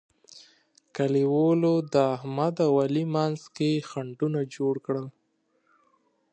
کلیوالو د احمد او علي ترمنځ خنډونه جوړ کړل.